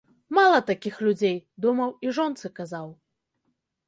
Мала такіх людзей, думаў і жонцы казаў.